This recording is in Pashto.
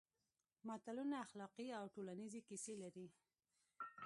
متلونه اخلاقي او ټولنیزې کیسې لري